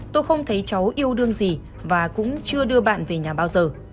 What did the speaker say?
tôi không thấy cháu yêu đương gì và cũng chưa đưa bạn về nhà bao giờ